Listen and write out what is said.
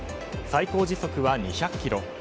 最高時速は２００キロ